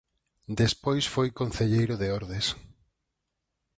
Despois foi concelleiro de Ordes.